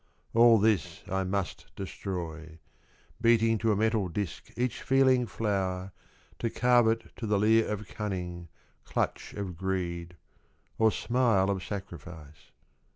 All this I must destroy ; Beating to a metal disc Each feeling flower, to carve it To the leer of cunning, clutch of greed, Or smile of sacrifice.